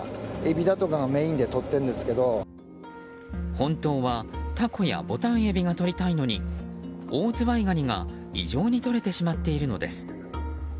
本当はタコやボタンエビがとりたいのにオオズワイガニが異常にとれてしまっているのです。